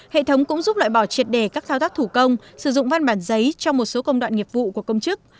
hệ thống cũng giúp loại bỏ triệt đề các thao tác thủ công sử dụng văn bản giấy trong một số công đoạn nghiệp vụ của công chức